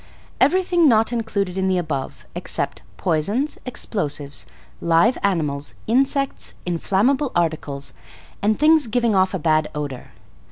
= Everything not included in the above, except poisons, explosives, live animals, insects, inflammable articles, and things giving off a bad odor.